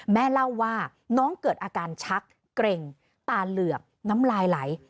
แม่เล่าว่าน้องเกิดอาการชักเกร็งตาเหลือกน้ำลายไหล